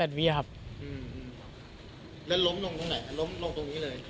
แล้วล้มลงตรงไหนล้มลงตรงนี้เลย